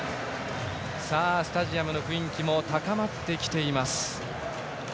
スタジアムの雰囲気も高まってきています。